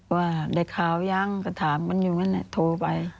ว่าได้ข่าวยังก็ถามมันอยู่นั่นแหละโทรไป